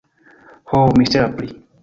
Ho, mistera pi!